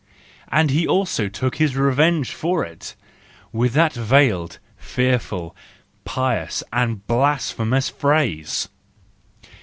And he also took his revenge for it—with that veiled, fearful, pious, and blasphemous phrase!